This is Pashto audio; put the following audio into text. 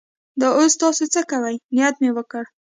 دا اوس تاسې څه کوئ؟ نیت مې وکړ.